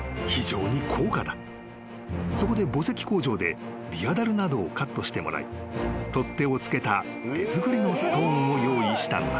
［そこで墓石工場でビアだるなどをカットしてもらい取っ手をつけた手作りのストーンを用意したのだ］